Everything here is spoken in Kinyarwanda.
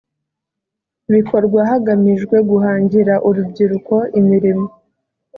bikorwa hagamijwe guhangira urubyiruko imirimo